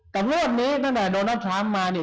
แต่งวดนี้ตั้งแต่โดนัลดทรัมป์มาเนี่ย